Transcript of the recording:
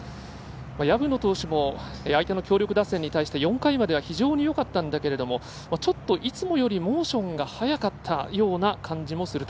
薮野投手も相手の強力打線に対し４回までは非常によかったけどいつもよりモーションが早かったような感じもする。